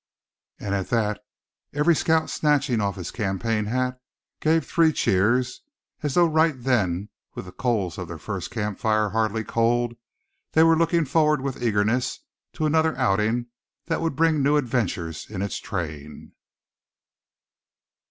And at that every scout snatching off his campaign hat, gave three cheers, as though right then, with the coals of their first camp fire hardly cold, they were looking forward with eagerness to another outing that would bring new adventures in its train.